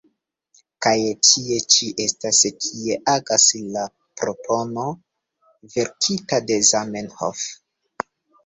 Kaj tie ĉi estas kie agas la propono verkita de Zamenhof.